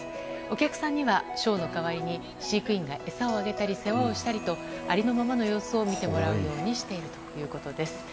お客さんには、ショーの代わりに飼育員が餌をあげたり世話をしたりとありのままの様子を見てもらうようにしているということです。